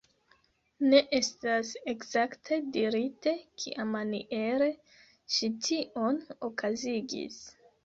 Ne estas ekzakte dirite kiamaniere ŝi tion okazigis.